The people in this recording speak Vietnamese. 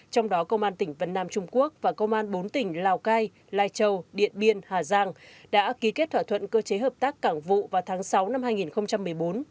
trong đó công an tỉnh vân nam trung quốc và công an bốn tỉnh lào cai lai châu điện biên hà giang đã ký kết thỏa thuận cơ chế hợp tác cảng vụ vào tháng sáu năm hai nghìn một mươi bốn